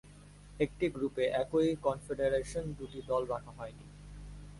একটি গ্রুপে একই কনফেডারেশনের দুটি দল রাখা হয়নি।